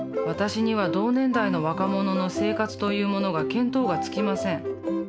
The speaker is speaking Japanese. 私には同年代の若者の生活というものが見当がつきません。